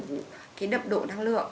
không đủ cái đậm độ năng lượng